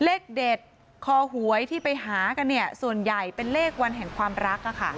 เลขเด็ดคอหวยที่ไปหากันเนี่ยส่วนใหญ่เป็นเลขวันแห่งความรัก